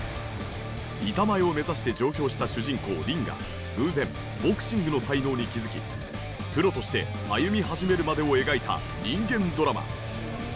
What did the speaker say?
板前を目指して上京した主人公凛が偶然ボクシングの才能に気づきプロとして歩み始めるまでを描いた人間ドラマ。